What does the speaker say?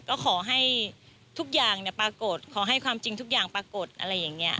ก็ขอให้ทุกอย่างปรากฏขอให้ความจริงทุกอย่างปรากฏอะไรอย่างนี้